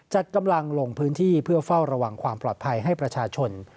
จัดกำลังลงพื้นที่เพื่อเฝ้าระวังความปลอดภัยให้ประชาชน